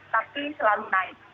tapi selalu naik